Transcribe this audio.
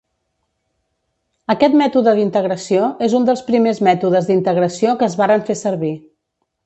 Aquest mètode d'integració és un dels primers mètodes d'integració que es varen fer servir.